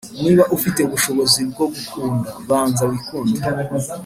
“niba ufite ubushobozi bwo gukunda, banza wikunde.”